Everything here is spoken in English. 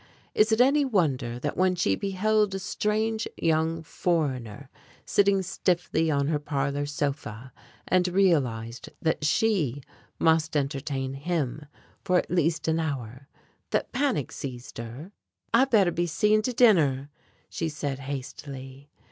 Is it any wonder that when she beheld a strange young foreigner sitting stiffly on her parlor sofa, and realized that she must entertain him for at least an hour, that panic seized her? "I better be seeing to dinner," she said hastily.